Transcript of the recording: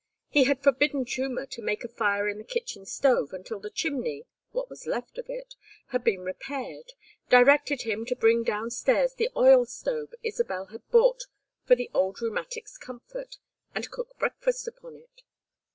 He had forbidden Chuma to make a fire in the kitchen stove until the chimney, what was left of it, had been repaired, directed him to bring down stairs the oil stove Isabel had bought for the old rheumatic's comfort, and cook breakfast upon it.